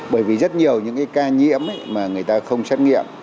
bởi vì rất nhiều những cái ca nhiễm mà người ta không xét nghiệm